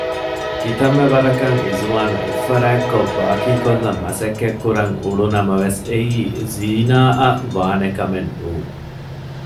ކިތައްމެ ވަރަކަށް އިޒުވާނު އެއްފަރާތްކޮށް ބާކީކޮށްލަން މަސައްކަތް ކުރަން އުޅުނަމަވެސް އެއީ ޒީނާއަށް ވާނެ ކަމެއް ނޫން